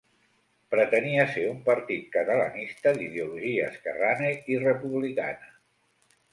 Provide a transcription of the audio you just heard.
Pretenia ser un partit catalanista d'ideologia esquerrana i republicana.